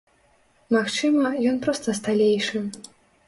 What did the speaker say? Магчыма, ён проста сталейшы.